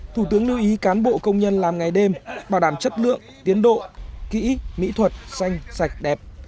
thủ tướng lưu ý cán bộ công nhân làm ngày đêm bảo đảm chất lượng tiến độ kỹ mỹ thuật xanh sạch đẹp